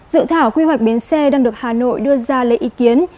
dự thảo quy hoạch bến xe đang được hà nội đưa ra lấy ý kiến